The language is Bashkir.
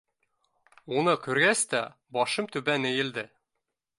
Уны күргәс тә, башым түбән эйелде.